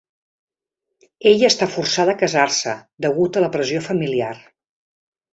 Ella està forçada a casar-se degut a la pressió familiar.